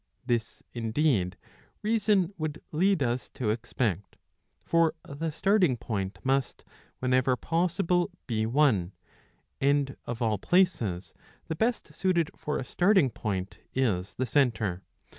This, indeed, reason would lead us to expect. For the starting point must, whenever possible, be one ; and, of all places, the best suited for a starting point is the centre.